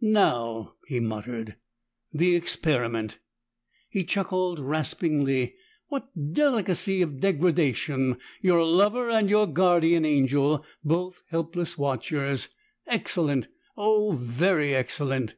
"Now!" he muttered. "The experiment!" He chuckled raspingly. "What delicacy of degradation! Your lover and your guardian angel both helpless watchers! Excellent! Oh, very excellent!"